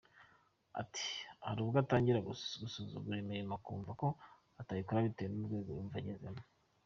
Ati “Hari ubwo atangira gusuzugura imirimo akumva ko atayikora bitewe n’urwego yumva agezemo.